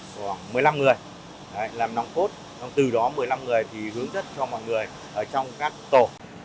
khoảng một mươi năm người làm nông cốt từ đó một mươi năm người hướng dất cho mọi người ở trong các tổ